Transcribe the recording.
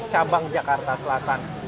cabang jakarta selatan